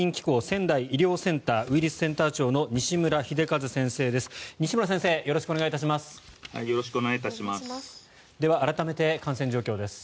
仙台医療センターウイルスセンター長の西村秀一先生です。